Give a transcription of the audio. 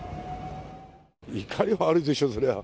怒りもあるでしょ、そりゃ。